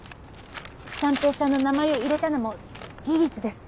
三瓶さんの名前を入れたのも事実です。